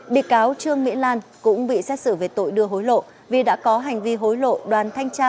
bị cáo trương mỹ lan cũng bị xét xử về tội đưa hối lộ vì đã có hành vi hối lộ đoàn thanh tra